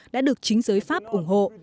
đã được chính giới pháp ủng hộ